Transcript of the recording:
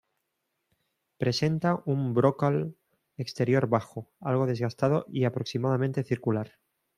Presenta un brocal exterior bajo, algo desgastado y aproximadamente circular.